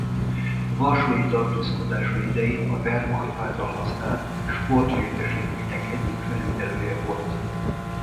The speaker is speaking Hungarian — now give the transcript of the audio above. Varsói tartózkodása idején a Wehrmacht által használt sportlétesítmények egyik felügyelője volt.